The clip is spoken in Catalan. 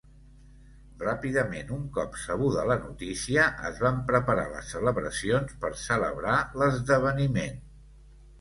Ràpidament un cop sabuda la notícia es van preparar les celebracions per celebrar l'esdeveniment.